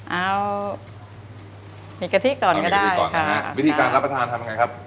เอามีกะทิก่อนก็ได้เอามีกะทิก่อนนะครับวิธีการรับประทานทำยังไงครับ